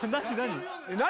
何？